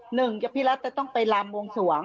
หนึ่งกับพี่รัฐจะต้องไปลำวงสวง